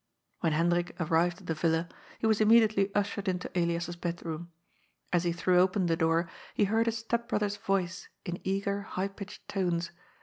When Hendrik arrived at the Villa, he was immediately ushered into Elias's bed room. As he threw open the door, he heard his step brother's voice in eager, high pitched tones.